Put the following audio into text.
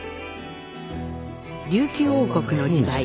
琉球王国の時代